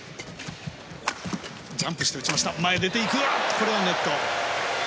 これはネット。